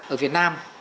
ở việt nam